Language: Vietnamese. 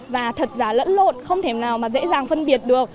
và thật giả lẫn lộn không thể nào mà dễ dàng phân biệt được